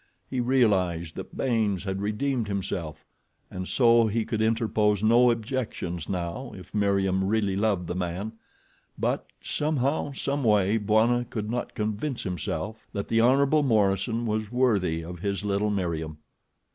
He realized that Baynes had redeemed himself, and so he could interpose no objections now if Meriem really loved the man; but, somehow, some way, Bwana could not convince himself that the Hon. Morison was worthy of his little Meriem.